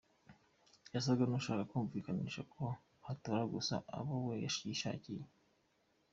Yasaga n’ushaka kunyumvisha ko hatora gusa abo we yishakiye !